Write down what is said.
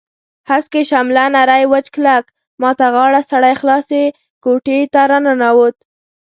هسکې شمله نری وچ کلک، ما ته غاړه سړی خلاصې کوټې ته راننوت.